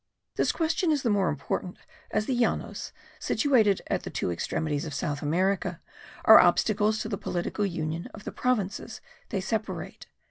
This question is the more important as the Llanos, situated at the two extremities of South America, are obstacles to the political union of the provinces they separate.